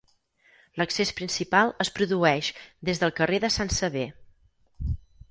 L'accés principal es produeix des del carrer de Sant Sever.